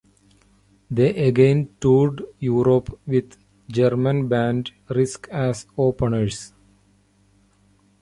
They again toured Europe with German band Risk as openers.